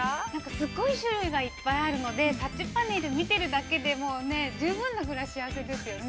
◆すごい種類がいっぱいあるので、タッチパネルを見ているだけでも、十分なぐらい幸せですよね。